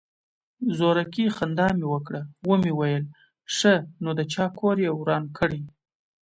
زورکي خندا مې وکړه ومې ويل ښه نو د چا کور يې وران کړى.